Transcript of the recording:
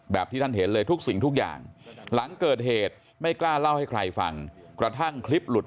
ที่ท่านเห็นเลยทุกสิ่งทุกอย่างหลังเกิดเหตุไม่กล้าเล่าให้ใครฟังกระทั่งคลิปหลุด